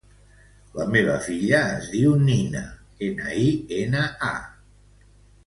La meva filla es diu Nina: ena, i, ena, a.